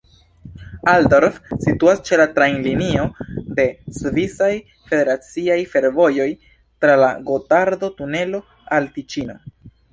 Altdorf situas ĉe la trajnlinio de Svisaj Federaciaj Fervojoj tra la Gotardo-tunelo al Tiĉino.